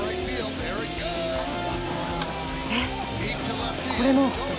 そして、これも。